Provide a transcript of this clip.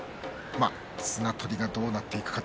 綱取りがどうなっていくか